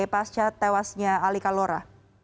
pasca tewasnya ali kalora